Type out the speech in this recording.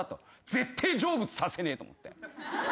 絶対成仏させねえ！と思って。